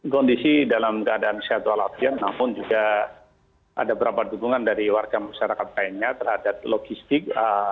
kondisi dalam keadaan sehat walafiat namun juga ada beberapa dukungan dari warga masyarakat lainnya terhadap logistik